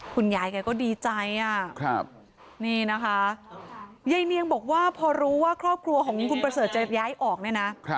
คุณยายแกก็ดีใจนี่นะคะยายเนียงบอกว่าพอรู้ว่าครอบครัวของคุณประเสริฐจะย้ายออกเนี่ยนะ